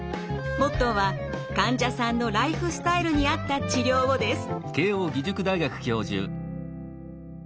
モットーは「患者さんのライフスタイルに合った治療を」です。